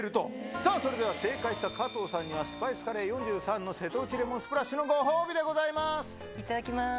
さあ、それでは正解した加藤さんには、スパイスカレー４３の瀬戸内レモンスプラッシュのご褒美でいただきます。